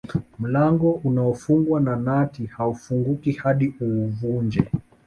Mlango unaofungwa na nati haufunguki hadi uuvunje